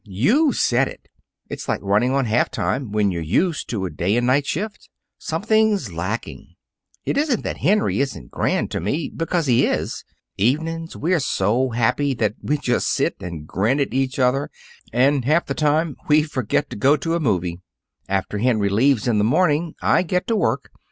You've said it! It's like running on half time when you're used to a day and night shift. Something's lacking. It isn't that Henry isn't grand to me, because he is. Evenings, we're so happy that we just sit and grin at each other and half the time we forget to go to a 'movie.' After Henry leaves in the morning, I get to work.